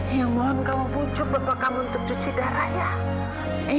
eang mohon kamu pujuk bapak kamu untuk cuci darah ya